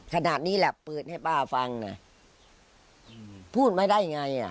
ขนาดนี้แหละเปิดให้ป้าฟังนะพูดไม่ได้ไงอ่ะ